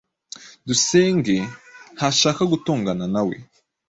Dusenge ntashaka gutongana nawe.